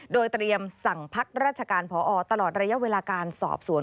โดยเตรียมสั่งพักราชการพอตลอดระยะเวลาการสอบสวน